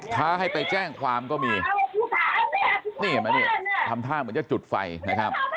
ท้าให้ไปแจ้งความก็มีนี่เห็นไหมนี่ทำท่าเหมือนจะจุดไฟนะครับ